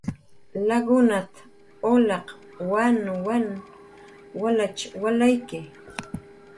"Lakunat"" ulaq wanwan wals walayki"